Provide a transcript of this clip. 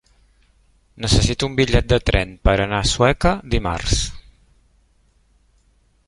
Necessito un bitllet de tren per anar a Sueca dimarts.